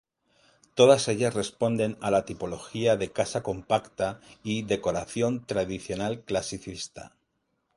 Todas ellas responden a la tipología de casa compacta y decoración tradicional-clasicista.